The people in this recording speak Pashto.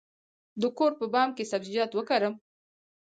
د کور په بام کې سبزیجات وکرم؟